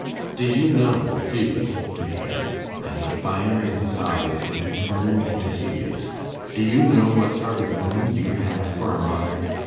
"Do you know, Hughie," he said, and the fire in his eyes seemed to burn into Hughie's, "do you know what sort of woman you have for a mother?